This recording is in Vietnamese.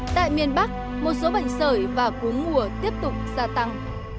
tại miền bắc một số bệnh sởi và cúm mùa tiếp tục gia tăng